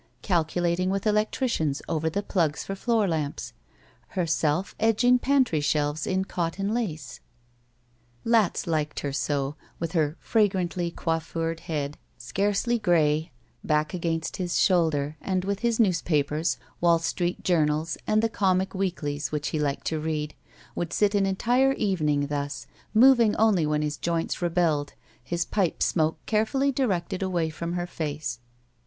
Calculating with electricians over the plugs for floor lamps. Herself edging pantry shelves in cotton lace. 38 SHE WALKS IN BEAUTY Latz liked her so, with her fragrantly coiffured head, scarcely gray, back against his shcmlder, and with his newspapers, Wall Street journals and the comic weeklies which he liked to read, wotild sit an entire evening thus, moving only when his joints rebelled, his pipe smoke carefully directed away from her face.